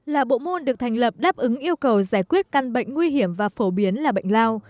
là bộ môn được thành lập đáp ứng yêu cầu giải quyết căn bệnh nguy hiểm và phổ biến là bệnh lao